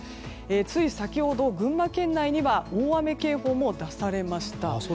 つい先ほど、群馬県内には大雨警報も出されました。